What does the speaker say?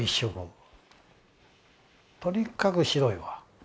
とにかく白いわ。